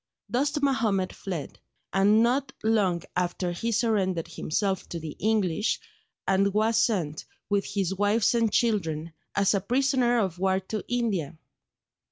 Dost Mahomed fled; and not long after he surrendered himself to the English, and was sent, with his wives and children, as a prisoner of war to India.